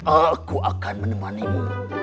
aku akan menemanimu